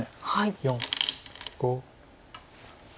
４５。